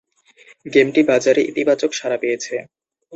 গেমটি বাজারে ইতিবাচক সাড়া পেয়েছে।